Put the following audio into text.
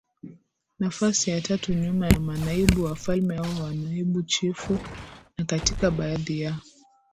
nafasi ya tatu nyuma ya Manaibu Wafalme au Manaibu Chifu na katika baadhi ya